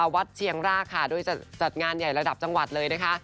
เชียงรากค่ะโดยจะจัดงานใหญ่ระดับจังหวัดเลยนะคะ